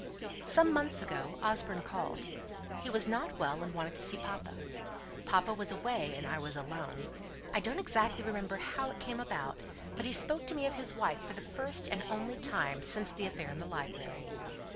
"Some months ago Osborne called. He was not well, and wanted to see papa. Papa was away, and I was alone. I don't exactly remember how it came about, but he spoke to me of his wife for the first and only time since the affair in the library."